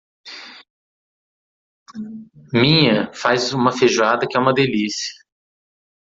Minhã faz uma feijoada que é uma delicia.